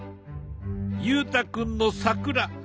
裕太君の桜。